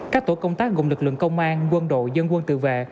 các tổ công tác gồm lực lượng công an quân đội dân quân tự vệ